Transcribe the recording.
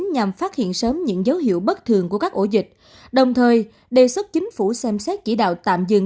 nhằm phát hiện sớm những dấu hiệu bất thường của các ổ dịch đồng thời đề xuất chính phủ xem xét chỉ đạo tạm dừng